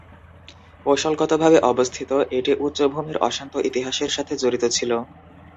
কৌশলগতভাবে অবস্থিত, এটি উচ্চভূমির অশান্ত ইতিহাসের সাথে জড়িত ছিল।